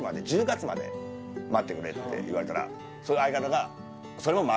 「１０月まで待ってくれ」って言われたら相方がえっ！？